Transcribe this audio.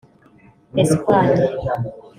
Espagne